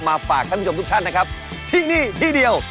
ฝากท่านผู้ชมทุกท่านนะครับที่นี่ที่เดียว